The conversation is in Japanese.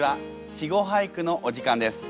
「稚語俳句」のお時間です。